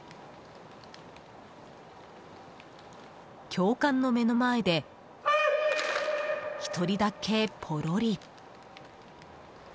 教官の目の前で１人だけ、ポロリ。